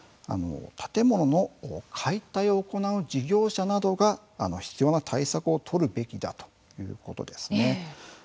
建物の解体を行う事業者などが必要な対策を取るべきだということです。